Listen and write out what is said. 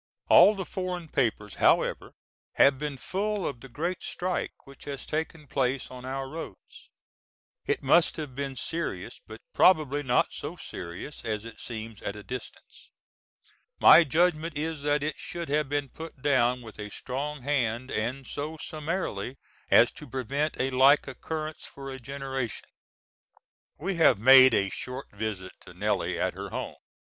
All the foreign papers however have been full of the great strike which has taken place on our roads. It must have been serious but probably not so serious as it seemed at a distance. My judgment is that it should have been put down with a strong hand and so summarily as to prevent a like occurrence for a generation. We have made a short visit to Nellie at her home.